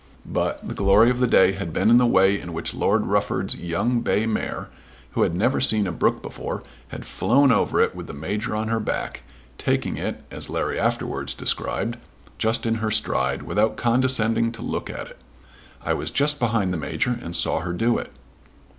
But the glory of the day had been the way in which Lord Rufford's young bay mare, who had never seen a brook before, had flown over it with the Major on her back, taking it, as Larry afterwards described, "just in her stride, without condescending to look at it. I was just behind the Major, and saw her do it."